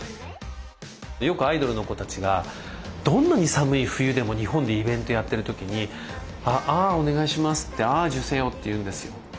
よくアイドルの子たちがどんなに寒い冬でも日本でイベントやってる時に「ア．ア」お願いしますって「ア．アジュセヨ」って言うんですよ。